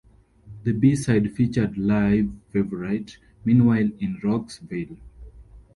The b-side featured live favourite "Meanwhile In Rocksville".